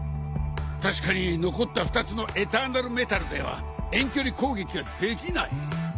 確かに残った２つのエターナルメタルでは遠距離攻撃はできない。